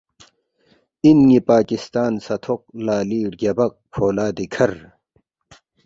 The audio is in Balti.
اِن نی پاکستان سہ تھوق لا لی ڑگیابق فولادی کھر